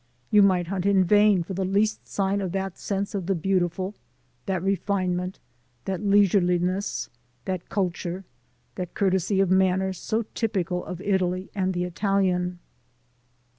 You might hunt in vain for the least sign of that sense of the beautiful, that refinement, that leisureliness, that culture, that courtesy of manner so typical of Italy and the Italian.